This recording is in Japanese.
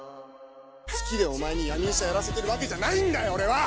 好きでお前に闇医者やらせてるわけじゃないんだよ俺は！